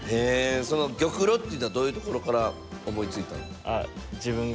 その玉露っていうのはどういうところから思いついたん？